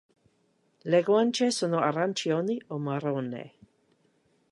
Le guance sono arancioni o marrone.